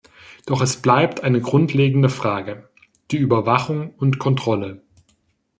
Doch es bleibt eine grundlegende Frage: die Überwachung und Kontrolle.